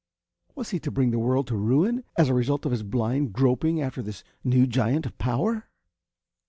Was he to bring the world to ruin, as a result of his blind groping after this new giant of power?